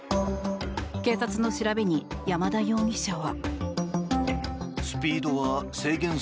警察の調べに山田容疑者は。